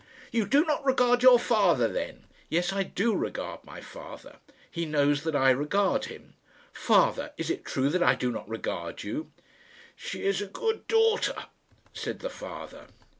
"You do not regard your father, then?" "Yes, I do regard my father. He knows that I regard him. Father, is it true that I do not regard you?" "She is a good daughter," said the father.